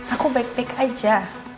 aku baik baik aja